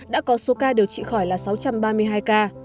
đã có số ca điều trị khỏi là sáu trăm ba mươi hai ca